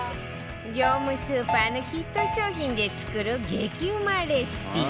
業務スーパーのヒット商品で作る激うまレシピ